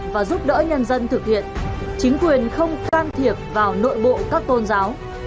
và giúp đỡ nhân dân thực hiện chính quyền không can thiệp vào nội bộ các tôn giáo